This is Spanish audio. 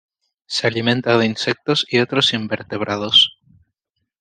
Se alimenta de insectos y otros invertebrados.